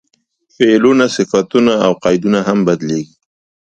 فعلونه، صفتونه او قیدونه هم بدلېږي.